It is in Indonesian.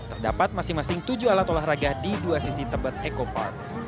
terdapat masing masing tujuh alat olahraga di dua sisi tebet eco park